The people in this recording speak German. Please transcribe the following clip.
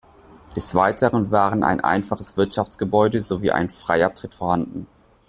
Des Weiteren waren ein einfaches Wirtschaftsgebäude sowie ein Freiabtritt vorhanden.